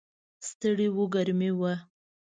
ستړي و، ګرمي وه.